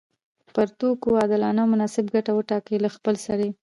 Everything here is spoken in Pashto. پر توکو عادلانه او مناسب ګټه وټاکي له خپلسري